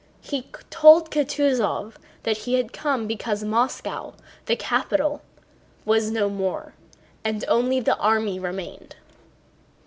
He told Kutúzov that he had come because Moscow, the capital, was no more and only the army remained.